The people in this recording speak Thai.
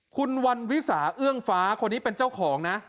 คุณวันวิสาเอื้องฟ้าคนนี้เป็นเจ้าของนะ